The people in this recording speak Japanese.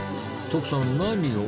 徳さん何を？